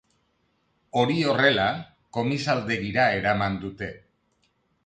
Hori horrela, komisaldegira eraman dute.